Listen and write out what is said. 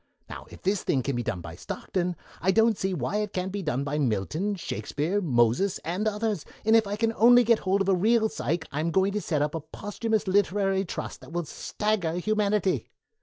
Now, if this thing can be done by Stockton, I don't see why it can't be done by Milton, Shakespeare, Moses, and others, and if I can only get hold of a real Psyche I'm going to get up a posthumous literary trust that will stagger humanity."